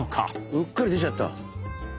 うっかり出ちゃった？